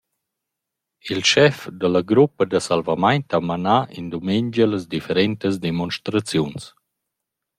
Il schef da la gruppa da salvamaint ha manà in dumengia las differentas demonstraziuns.